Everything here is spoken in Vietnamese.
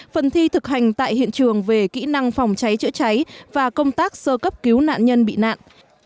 phần thi thực hành tại hiện trường về kỹ năng phòng cháy chữa cháy và công tác sơ cấp cứu nạn nhân bị nạn